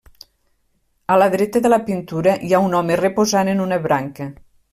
A la dreta de la pintura hi ha un home reposant en una branca.